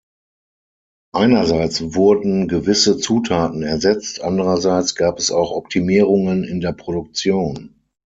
Einerseits wurden gewisse Zutaten ersetzt, andererseits gab es auch Optimierungen in der Produktion.